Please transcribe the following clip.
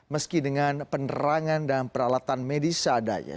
meski dengan penerangan dan peralatan medis seadanya